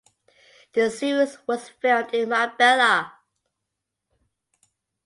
The series was filmed in Marbella.